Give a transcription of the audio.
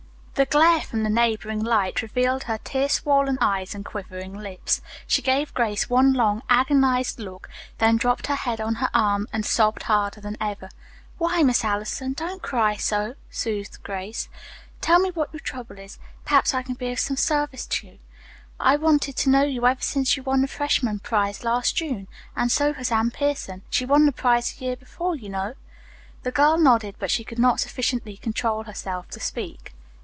The glare from the neighboring light revealed her tear swollen eyes and quivering lips. She gave Grace one long, agonized look, then dropped her head on her arm and sobbed harder than ever. "Why, Miss Allison, don't cry so," soothed Grace. "Tell me what your trouble is. Perhaps I can be of some service to you. I've wanted to know you ever since you won the freshman prize last June, and so has Anne Pierson. She won the prize the year before, you know." The girl nodded, but she could not sufficiently control herself to speak.